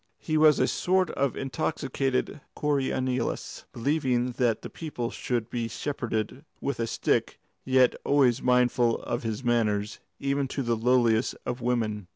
He was a sort of intoxicated Coriolanus, believing that the people should be shepherded with a stick, yet always mindful of his manners, even to the lowliest of women.